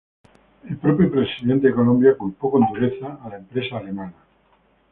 El propio presidente de Colombia culpó con dureza a la empresa alemana.